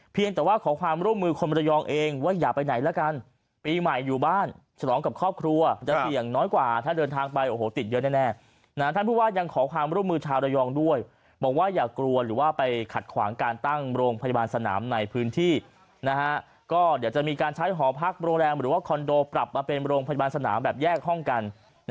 ขอความร่วมมือคนระยองเองว่าอย่าไปไหนแล้วกันปีใหม่อยู่บ้านฉลองกับครอบครัวจะเสี่ยงน้อยกว่าถ้าเดินทางไปโอ้โหติดเยอะแน่ท่านผู้ว่ายังขอความร่วมมือชาวระยองด้วยบอกว่าอย่ากลัวหรือว่าไปขัดขวางการตั้งโรงพยาบาลสนามในพื้นที่นะฮะก็เดี๋ยวจะมีการใช้หอพักโรงแรมหรือว่าคอนโดปรับมาเป็นโรงพยาบาลสนามแบบแยกห้องกัน